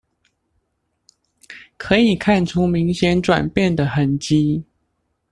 可以看出明顯轉變的痕跡